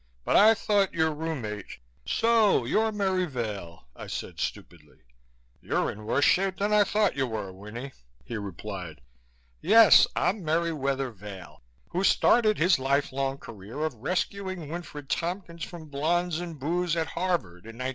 But I thought your room mate " "So you're Merry Vail," I said stupidly. "You're in worse shape than I thought you were, Winnie," he replied. "Yes, I'm Merriwether Vail who started his life long career of rescuing Winfred Tompkins from blondes and booze at Harvard in 1916.